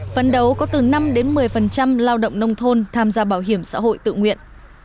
phấn đấu có từ năm đến một mươi lao động nông thôn tham gia bảo hiểm xã hội tự nguyện